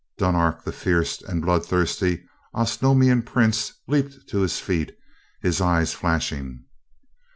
Dunark, the fierce and bloodthirsty Osnomian prince, leaped to his feet, his eyes flashing.